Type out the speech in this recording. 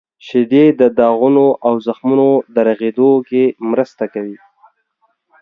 • شیدې د داغونو او زخمونو د رغیدو کې مرسته کوي.